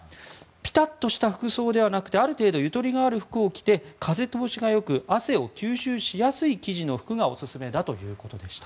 ピタッとした服装ではなくてある程度ゆとりがある服を着て風通しがよく汗を吸収しやすい生地の服がおすすめだということでした。